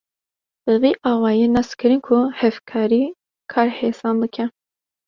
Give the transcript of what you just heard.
Bi vî awayî nas kirin ku hevkarî, kar hêsan dike.